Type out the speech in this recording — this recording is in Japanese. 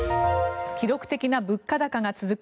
記録的な物価高が続く